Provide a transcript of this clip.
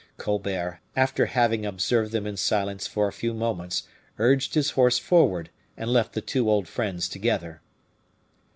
Colbert, after having observed them in silence for a few moments, urged his horse forward, and left the two old friends together.